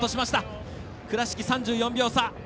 倉敷３４秒差。